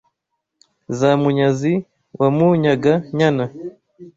Za Munyazi wa Munyaga-nyana